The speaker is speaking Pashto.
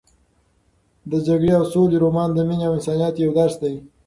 د جګړې او سولې رومان د مینې او انسانیت یو درس دی.